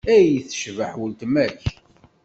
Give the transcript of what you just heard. Ay tecbeḥ uletma-k!